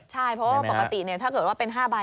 ใช่เพราะว่าปกติถ้าเกิดว่าเป็น๕ใบ